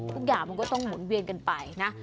ทุกอย่างมันก็ต้องหมุนเวียนกันไปนะ